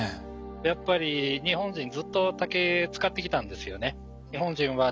やっぱり日本人ずっと竹使ってきたんですよね。